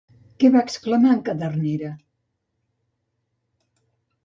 Què va exclamar en Cadernera?